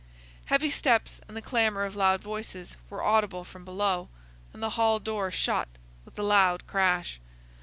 Heavy steps and the clamour of loud voices were audible from below, and the hall door shut with a loud crash.